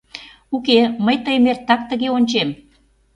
Уке, мый тыйым эртак тыге ончем.